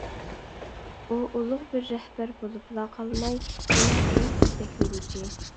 ئۇ ئۇلۇغ بىر رەھبەر بولۇپلا قالماي، يەنە ئۇلۇغ يېتەكلىگۈچى.